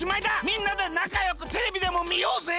みんなでなかよくテレビでもみようぜ。